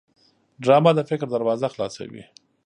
ډرامه د فکر دروازه خلاصوي